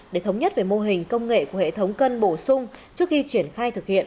để thống nhất về mô hình công nghệ của hệ thống cân bổ sung trước khi triển khai thực hiện